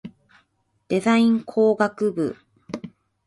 デザイン工学部